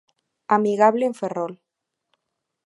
Amigable en Ferrol.